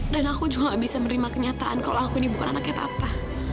dan aku juga gak bisa menerima kenyataan kalau aku ini bukan anaknya papa